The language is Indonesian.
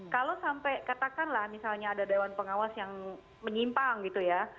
kalau sampai katakanlah misalnya ada dewan pengawas yang menyimpang gitu ya